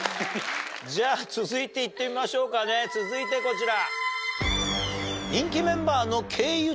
じゃ続いていってみましょうかね続いてこちら。